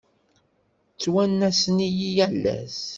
Ttwanasen-iyi yal ass.